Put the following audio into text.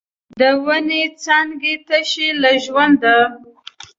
د ونو څانګې تشې له ژونده